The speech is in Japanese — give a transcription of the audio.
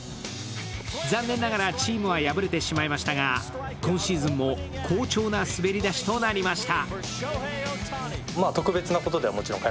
残念ながらチームは敗れてしまいましたが、今シーズンも好調な滑り出しとなりました。